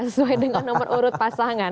sesuai dengan nomor urut pasangan